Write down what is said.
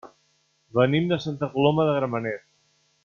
Venim de Santa Coloma de Gramenet.